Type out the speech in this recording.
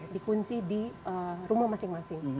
dikunci di rumah masing masing